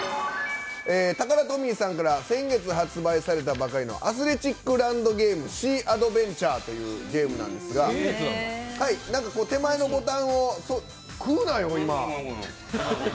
タカラトミーさんから先月発売されたばかりの「アスレチックランドゲームシーアドベンチャー」というゲームなんですが手前のボタンを食うなよ、今。